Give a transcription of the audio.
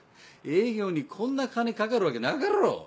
営業にこんな金かかるわけなかろう！